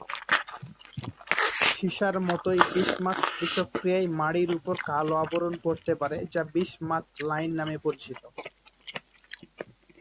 সীসার মতই বিসমাথ বিষক্রিয়ায় মাড়ির উপর কালো আবরণ পড়তে পারে, যা বিসমাথ লাইন নামে পরিচিত।